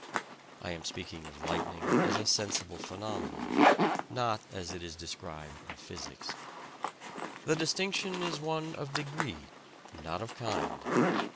(I am speaking of lightning as a sensible phenomenon, not as it is described in physics.) The distinction is one of degree, not of kind.